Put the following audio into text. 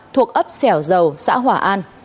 thuộc ấp sẻo dầu xã hỏa an